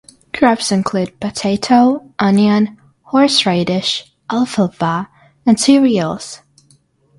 Crops include potato, onion, horseradish, alfalfa, and cereals.